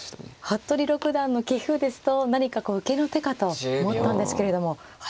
服部六段の棋風ですと何かこう受けの手かと思ったんですけれども８八歩と。